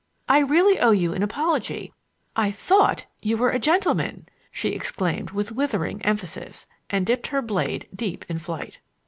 I really owe you an apology; I thought you were a gentleman!" she exclaimed with withering emphasis, and dipped her blade deep in flight.